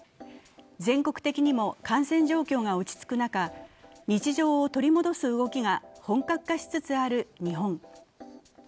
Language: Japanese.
全国的にも感染状況が落ち着く中、日常を取り戻す動きが本格化しつつある日本。